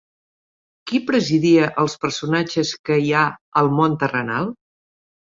Qui presidia els personatges que hi ha al món terrenal?